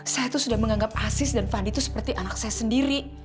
saya tuh sudah menganggap asis dan fandi itu seperti anak saya sendiri